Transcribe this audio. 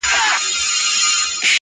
جانان ته تر منزله رسېدل خو تکل غواړي.!